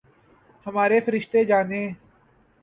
ہمارے فرشتے جانیں۔